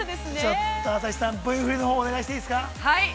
◆ちょっと朝日さん、Ｖ振りのほうお願いしていいですか。